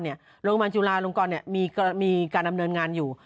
โรงพยาบาลจุลาลงกรมีการดำเนินงานอยู่